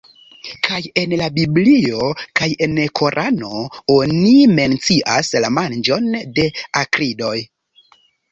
Kaj en la Biblio kaj en Korano oni mencias la manĝon de akridoj.